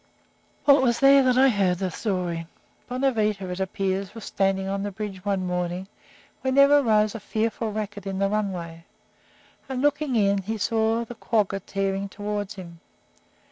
Well, it was here that I heard the story. Bonavita, it appears, was standing on the bridge one morning when there arose a fearful racket in the runway, and, looking in, he saw the quagga tearing along toward him.